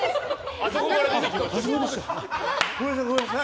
あそこから出てきましたよ。